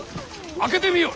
開けてみよ。